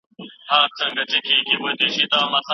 مور مي وویل چي خیر دی پر مځکي کښېنئ.